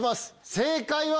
正解は！